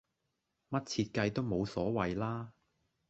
乜設計都無所謂啦